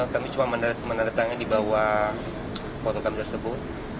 kami cuma menandatangani di bawah foto kami tersebut